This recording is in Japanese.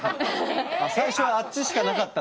最初はあっちしかなかった？